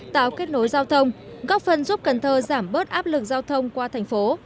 tạo kết nối giao thông góp phần giúp cần thơ giảm bớt áp lực giao thông qua thành phố